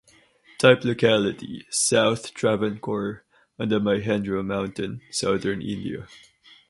Type locality: "South Travancore, on the Myhendra Mountain", southern India.